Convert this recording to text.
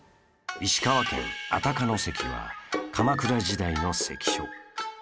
石川県安宅の関は鎌倉時代の関所。